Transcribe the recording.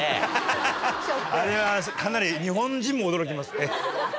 あれはかなり日本人も驚きますね。